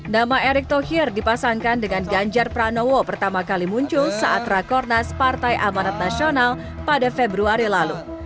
nama erick thohir dipasangkan dengan ganjar pranowo pertama kali muncul saat rakornas partai amanat nasional pada februari lalu